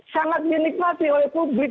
sangat dinikmati oleh publik